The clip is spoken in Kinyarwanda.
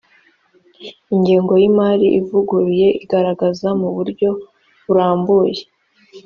ingengo y’imari ivuguruye igaragaza mu buryo burambuye